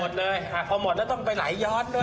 หมดเลยพอหมดแล้วต้องไปหลายย้อนด้วย